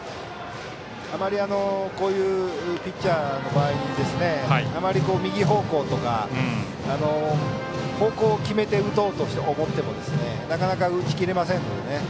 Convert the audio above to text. こういうピッチャーの場合あまり右方向とか方向を決めて打とうと思ってもなかなか打ち切れませんのでね。